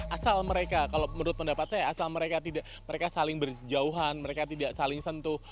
asal mereka kalau menurut pendapat saya asal mereka mereka saling berjauhan mereka tidak saling sentuh